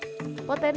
potensi beratnya berat